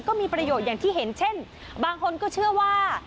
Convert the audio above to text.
ก็มีประโยชน์อย่างที่เห็นเช่นบางคนก็เชื่อว่า